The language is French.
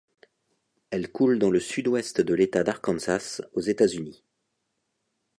Elle coule dans le sud ouest de l'état d'Arkansas, aux États-Unis.